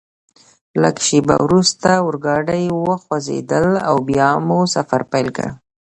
لږ شیبه وروسته اورګاډي وخوځېدل او بیا مو سفر پیل کړ.